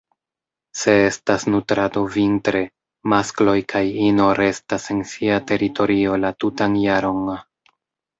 Se estas nutrado vintre, maskloj kaj ino restas en sia teritorio la tutan jaron.